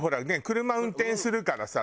車運転するからさ